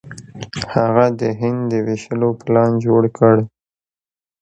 هغه د هند د ویشلو پلان جوړ کړ.